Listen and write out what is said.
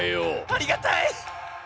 ありがたい！